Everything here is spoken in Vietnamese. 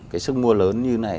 cái sức mua lớn như này